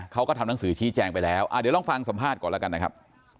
เขาก็ทำหนังสือชี้แจงไปแล้วเดี๋ยวลองฟังสัมภาษณ์ก่อนแล้วกันนะครับ